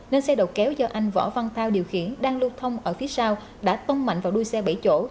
nên xe đầu kéo do anh võ văn thao điều khiển đang lưu thông ở phía sau đã tông mạnh vào đuôi xe bảy chỗ